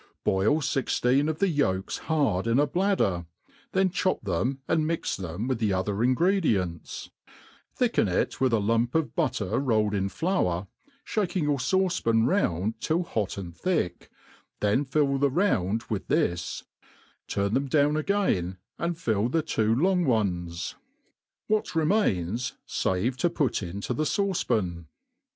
Boil fix teen of the* yoljcs bard jn a bladder, then chop them and mix tbet^ witb the other ixii ^• gredients ; thicken it with a lump of butter foiled In floAir, fliaking your fauce pan round ^ill hot s(nd thick, then iilLthie round with this, turn them down again, and fill the two long ones ; what remains, fave to put kito the fauce pan.